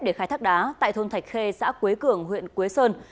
để khai thác đá tại thôn thạch khê xã quế cường huyện quế sơn